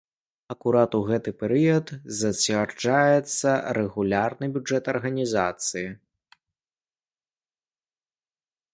Акурат у гэты перыяд зацвярджаецца рэгулярны бюджэт арганізацыі.